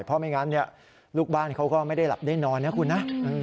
เพราะไม่งั้นลูกบ้านเขาก็ไม่ได้หลับได้นอนนะคุณนะ